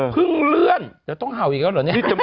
เพิ่งเลื่อนเดี๋ยวต้องห่าวอีกแล้วหรือเนี่ย